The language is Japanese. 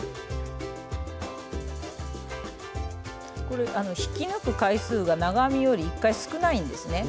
これ引き抜く回数が長編みより１回少ないんですね。